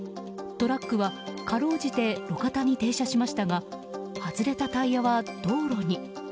トラックは、かろうじて路肩に停車しましたが外れたタイヤは道路に。